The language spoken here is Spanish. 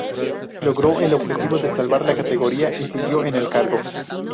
Logró el objetivo de salvar la categoría y siguió en el cargo.